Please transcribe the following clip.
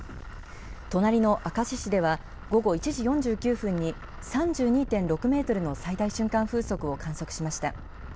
隣の明石市では、午後１時４９分に、３２．６メートルの最大瞬間風速を観測しました。